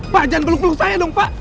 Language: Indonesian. pak jangan peluk peluk saya dong pak